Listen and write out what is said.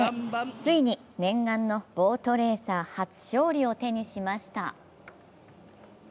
ついに念願のボートレーサー初勝利を手にしました。